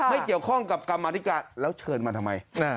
ไม่เกี่ยวข้องกับกรรมธิการแล้วเชิญมาทำไม